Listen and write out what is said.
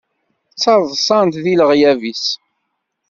Ttaḍsan-t deg leɣyab-is.